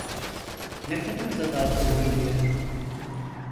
Ne kadarda dalgın yürüyor…